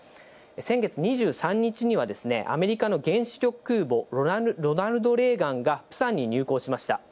先月２３日には、アメリカの原子力空母ロナルド・レーガンがプサンに入港しました。